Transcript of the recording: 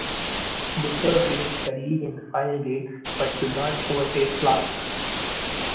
Butcher gained steadily in the final gates but could not overtake Clarke.